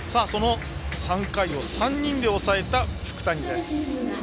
３回を３人で抑えた福谷です。